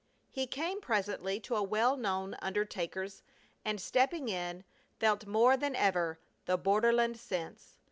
He came presently to a well known undertaker's, and, stepping in, felt more than ever the borderland sense.